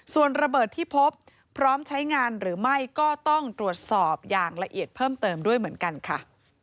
ส่วนระเบิดที่พบพร้อมใช้งานหรือไม่ก็ต้องตรวจสอบอย่างละเอียดเพิ่มเติมด้วยเหมือนกันค่ะ